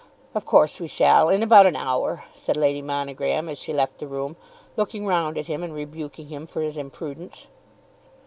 "Of course we shall, in about an hour," said Lady Monogram as she left the room, looking round at him and rebuking him for his imprudence.